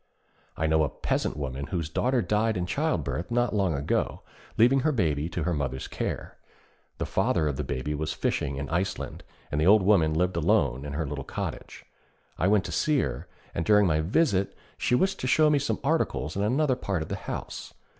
I know a peasant woman whose daughter died in childbirth not long ago, leaving her baby to her mother's care. The father of the baby was fishing in Iceland, and the old woman lived alone in her little cottage. I went to see her, and during my visit, she wished to show me some articles in another part of the house.